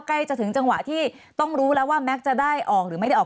ใกล้จะถึงจังหวะที่ต้องรู้แล้วว่าแม็กซ์จะได้ออกหรือไม่ได้ออก